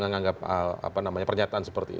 anda bagaimana menganggap pernyataan seperti itu